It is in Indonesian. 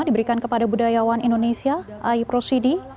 diberikan kepada budayawan indonesia aib rosidi